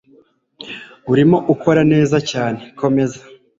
Urimo ukora neza cyane. Komeza.